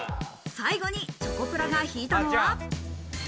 最後にチョコプラが引いたのは。